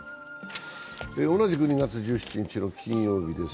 同じく２月１７日の金曜日です。